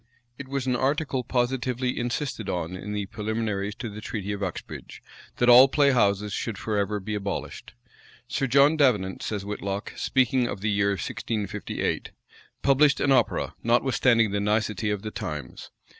It was an article positively insisted on in the preliminaries to the treaty of Uxbridge, that all play houses should forever be abolished. Sir John Davenant, says Whitlocke,[] speaking of the year 1658, published an opera, notwithstanding the nicety of the times.